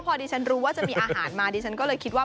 พอดีฉันรู้ว่าจะมีอาหารมาดิฉันก็เลยคิดว่า